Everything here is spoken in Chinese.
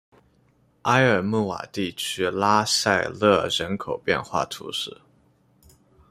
埃尔穆瓦地区拉塞勒人口变化图示